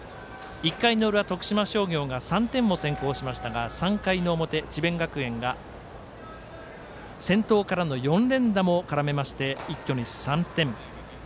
１回の裏、徳島商業が３点を先行しましたが３回の表、智弁学園が先頭からの４連打も絡めまして一挙に３点。